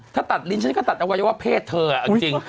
ถ้าตัดลิ้นฉันก็ตัดอวัยวะเพศเธอเอาจริง